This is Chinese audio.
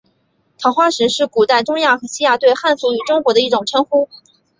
桃花石是古代中亚和西亚对汉族与中国的一种称呼。